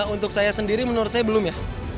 untuk saya sendiri menurut saya belum ya